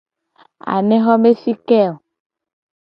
Anexo be fi ke o ?